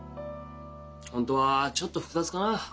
本当はちょっと複雑かなあ。